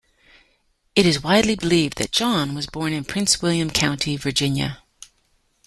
It is widely believed that John was born in Prince William County, Virginia.